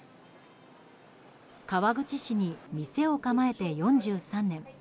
川口市に店を構えて４３年。